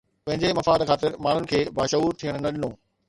پنهنجي مفاد خاطر ماڻهن کي باشعور ٿيڻ نه ڏنو